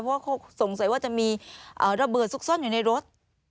เพราะเขาสงสัยว่าจะมีระเบิดซุกซ่อนอยู่ในรถ